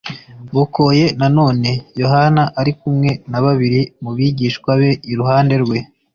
Bukoye na none, Yohana ari kumwe na babiri mu bigishwa be iruhande rwe,